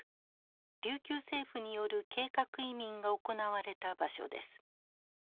琉球政府による計画移民が行われた場所です。